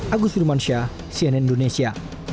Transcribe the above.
agus rumansyah cnn indonesia